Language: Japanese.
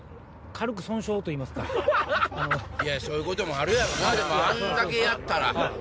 そういうこともあるやろなあんだけやったら。